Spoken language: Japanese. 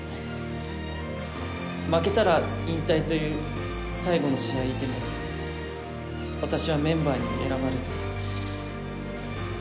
負けたら引退という最後の試合でも私はメンバーに選ばれず。